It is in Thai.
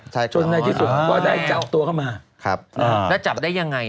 จับได้ยังไง